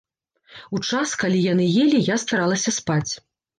У час, калі яны елі, я старалася спаць.